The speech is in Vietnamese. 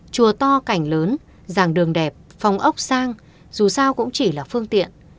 chùa to cảnh lớn dàng đường đẹp phòng ốc sang dù sao cũng chỉ là phương tiện